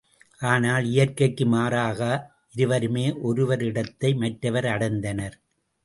ஆனால் இயற்கைக்கு மாறாக இருவருமே ஒருவரிடத்தை மற்றவர் அடைந்தனர்.